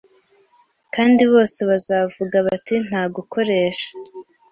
Kandi bose bazavuga bati Nta gukoresha